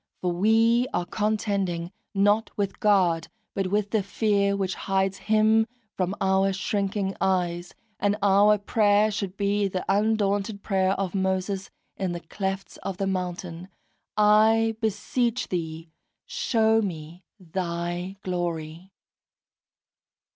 For we are contending not with God, but with the fear which hides Him from our shrinking eyes; and our prayer should be the undaunted prayer of Moses in the clefts of the mountain, "I beseech Thee, show me Thy Glory!"